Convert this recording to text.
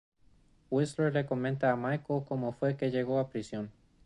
Whistler le comenta a Michael como fue que llegó a prisión.